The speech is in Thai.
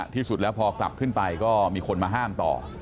ที่สุดแล้วพอกลับขึ้นไปก็มีคนมาห้ามต่อ